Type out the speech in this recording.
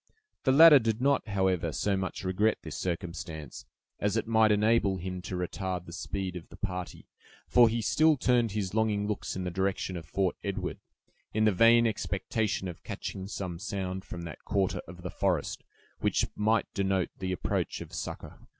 The latter did not, however, so much regret this circumstance, as it might enable him to retard the speed of the party; for he still turned his longing looks in the direction of Fort Edward, in the vain expectation of catching some sound from that quarter of the forest, which might denote the approach of succor.